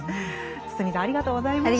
堤さんありがとうございました。